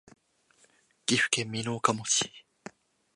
岐阜県美濃加茂市